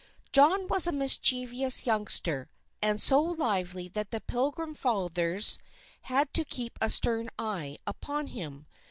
John was a mischievous youngster, and so lively that the Pilgrim Fathers had to keep a stern eye upon him.